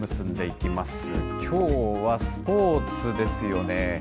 きょうはスポーツですよね。